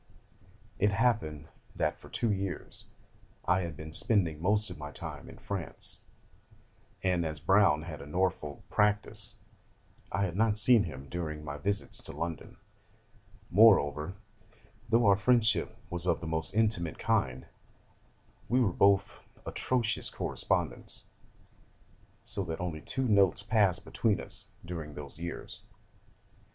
It happened that for two years I had been spending most of my time in France, and as Browne had a Norfolk practice, I had not seen him during my visits to London. Moreover, though our friendship was of the most intimate kind, we were both atrocious correspondents: so that only two notes passed between us during those years.